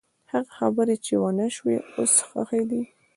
هغه خبرې چې ونه شوې، اوس ښخې دي.